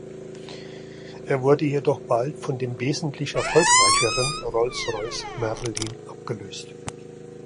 Er wurde jedoch bald von dem wesentlich erfolgreicheren Rolls-Royce Merlin abgelöst.